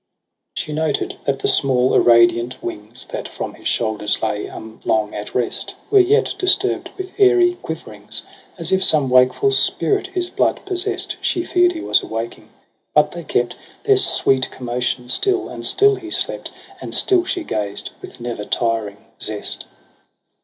She noted that the small irradiant wings. That from his shoulders lay along at rest. Were yet disturb'd with airy quiverings. As if some wakeful spirit his blood possest j She feared he was awaking, but they kept Their sweet commotion still, and still he slept. And still she gazed with never tiring zest.